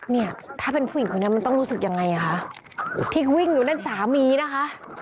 เนี่ยถ้าเป็นผู้หญิงคนนั้นมันต้องรู้สึกยังไงคะที่วิ่งอยู่นั่นสามีนะคะ